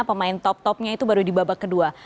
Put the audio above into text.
pemain top topnya itu baru di babak kedua